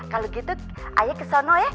kalau gitu ayo ke sana ya